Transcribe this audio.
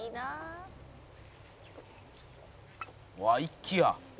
「うわっ一気や。